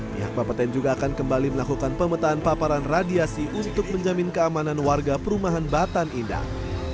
pihak bapeten juga akan kembali melakukan pemetaan paparan radiasi untuk menjamin keamanan warga perumahan batan indah